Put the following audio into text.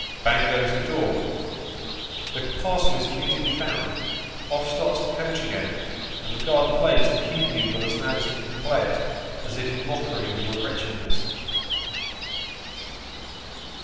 Bang goes the door ; the parcel is immediately found j off starts the coach again ; IO2 Sketches by Bos. and the guard plays the key bugle as loud as he can play it, as if in mockery of your wretchedness.